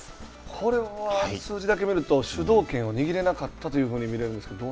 これは数字だけ見ると主導権を握れなかったと見れるんですけれども。